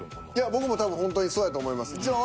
僕も多分ほんとにそうやと思います。